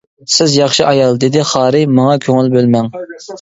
-سىز ياخشى ئايال، -دېدى خارى، -ماڭا كۆڭۈل بۆلمەڭ.